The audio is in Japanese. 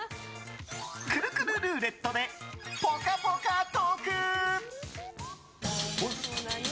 くるくるルーレットでぽかぽかトーク。